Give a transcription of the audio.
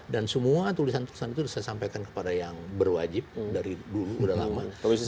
dan semua tulisan tulisan itu saya sampaikan kepada yang berwajib dari dulu udah lama